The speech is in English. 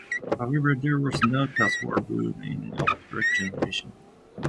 However, there was no post-war boom in electrical generation.